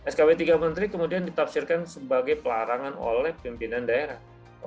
skb tiga menteri kemudian ditafsirkan sebagai pelarangan oleh pimpinan daerah